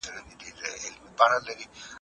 زه لا هم په دغه ستړي بدن کې ساه اخلم.